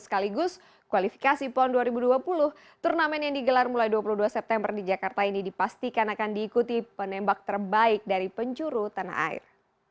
sekaligus kualifikasi pon dua ribu dua puluh turnamen yang digelar mulai dua puluh dua september di jakarta ini dipastikan akan diikuti penembak terbaik dari penjuru tanah air